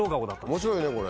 面白いねこれ。